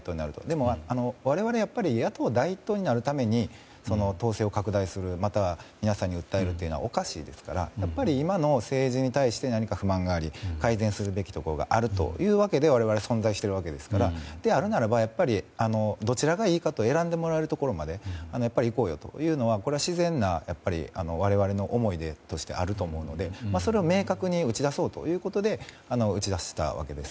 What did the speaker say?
でも、我々野党第１党になるために党勢を拡大するまたは皆さんに訴えるのはおかしいですからやはり、今の政治に対して何か不満があり改善するべきところがあるというわけで我々、存在しているのでそれであるならばどちらがいいかと選んでもらえるところまで行こうよというのはこれは自然な我々の思いとしてあると思うのでそれを明確に打ち出そうということで打ち出したわけです。